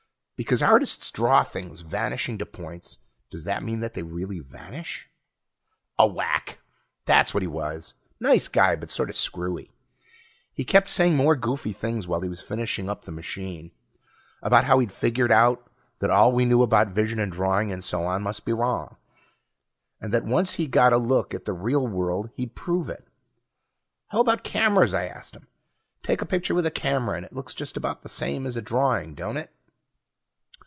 Because artists draw things vanishing to points, does that mean that they really vanish?" A wack, that's what he was. Nice guy, but sorta screwy. He kept saying more goofy things while he was finishing up the machine, about how he'd figured out that all we knew about vision and drawing and so on must be wrong, and that once he got a look at the real world he'd prove it. "How about cameras?" I asked him. "Take a picture with a camera and it looks just about the same as a drawing, don't it?"